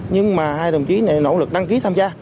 nhưng mà hai đồng chí này nỗ lực đăng ký tham gia